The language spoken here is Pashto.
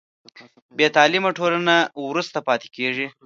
بې تعلیمه ټولنه وروسته پاتې کېږي.